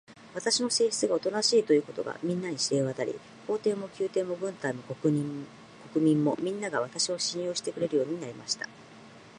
私の性質がおとなしいということが、みんなに知れわたり、皇帝も宮廷も軍隊も国民も、みんなが、私を信用してくれるようになりました。